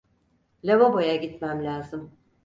Lavaboya gitmem lazım.